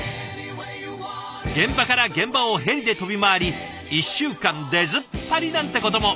現場から現場をヘリで飛び回り１週間出ずっぱりなんてことも。